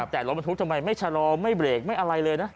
แต่รถบรรทุกทำไมไม่ชะลอไม่เบรกไม่อะไรเลยนะ